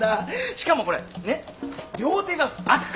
しかもこれねっ両手が空くからほら便利。